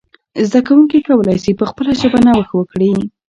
زده کوونکي کولای سي په خپله ژبه نوښت وکړي.